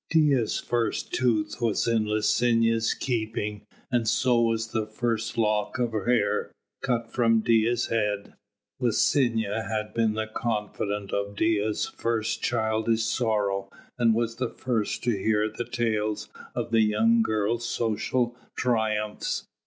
Dea's first tooth was in Licinia's keeping and so was the first lock of hair cut from Dea's head. Licinia had been the confidante of Dea's first childish sorrow and was the first to hear the tales of the young girl's social triumphs.